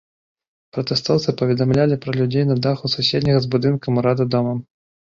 Пратэстоўцы паведамлялі пра людзей на даху суседняга з будынкам ўрада домам.